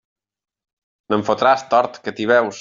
No em fotràs, tort, que t'hi veus.